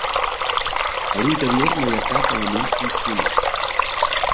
A l'interior no hi ha cap element funcional.